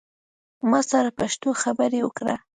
ما سره پښتو خبری اوکړه